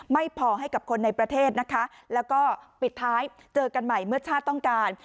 ไม่พอให้กับคนในประเทศนะคะแล้วก็ปิดท้ายเจอกันใหม่เมื่อชาติต้องการ